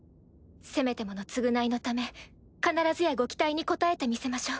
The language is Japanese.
せめてもの償いのため必ずやご期待に応えてみせましょう。